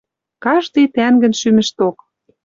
Каждый тӓнгӹн шӱмӹшток.